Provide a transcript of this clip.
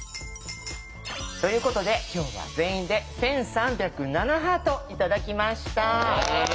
ということで今日は全員で１３０７ハート頂きました。